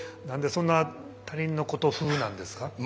何でそんな他人の事ふうなんですか？